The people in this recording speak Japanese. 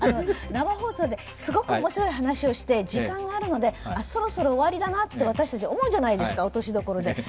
生放送で、すごく面白い話をして時間があるのでそろそろ終わりだなって私たちは思うじゃないですか、落とし所で。